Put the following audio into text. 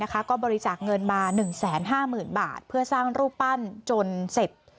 ก็บริจาคเงินมา๑๕๐๐๐บาทเพื่อสร้างรูปปั้นจนเสร็จ